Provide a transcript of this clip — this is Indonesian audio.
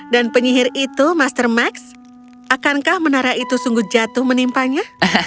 dan penyihir itu master max akankah menara itu sungguh jatuh menimpannya